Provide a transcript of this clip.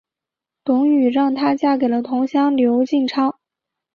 董瑀让她嫁给了同乡刘进超。